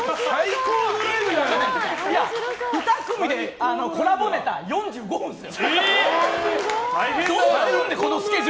２組でコラボネタ４５分ですよ。